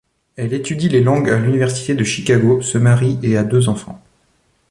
Elle étudie les langues à l'Université de Chicago, se marie et a deux enfants.